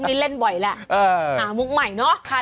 มุกนี้เล่นบ่อยแหละอ่ามุกใหม่เนอะ